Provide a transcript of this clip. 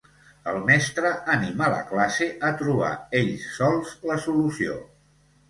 El mestre anima la classe a trobar ells sols la solució.